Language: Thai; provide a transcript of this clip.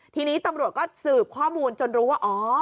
ทีนี้ตำรวจก็สืบข้อมูลจนรู้ว่าอ๋อ